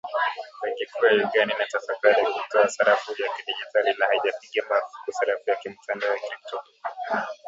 Benki kuu ya Uganda inatafakari kutoa sarafu ya kidigitali, na haijapiga marufuku sarafu ya kimtandao ya krypto